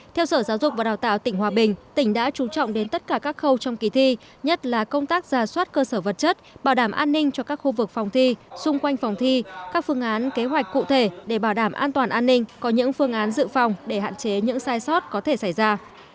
theo sở giáo dục và đào tạo tỉnh hòa bình tỉnh đã trú trọng đến tất cả các khâu trong kỳ thi nhất là công tác ra soát cơ sở vật chất bảo đảm an ninh cho các khu vực phòng thi xung quanh phòng thi các phương án kế hoạch cụ thể để bảo đảm an toàn an ninh có những phương án dự phòng để hạn chế những sai sót có thể xảy ra